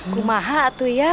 kumaha atuh ya